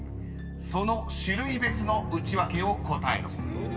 ［その種類別のウチワケを答えろ］